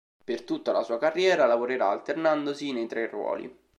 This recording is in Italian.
Per tutta la sua carriera lavorerà alternandosi nei tre ruoli.